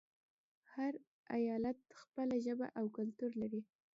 هر ایالت خپله ژبه او کلتور لري.